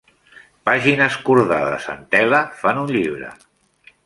Pàgines cordades en tela fan un llibre.